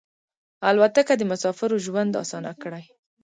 الوتکه د مسافرو ژوند اسانه کړی.